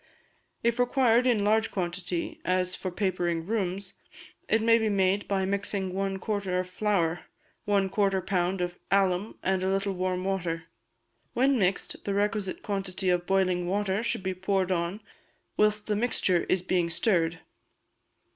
If required in large quantity, as for papering rooms, it may be made by mixing one quartern of flour, one quarter pound of alum, and a little warm water; when mixed, the requisite quantity of boiling water should be poured on whilst the mixture is being stirred.